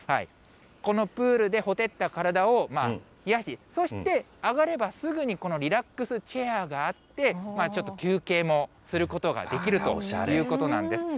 このプールでほてった体を冷やし、そして上がればすぐにこのリラックスチェアがあって、ちょっと休憩もすることができるということなんです。